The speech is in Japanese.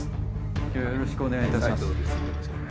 今日はよろしくお願いいたします。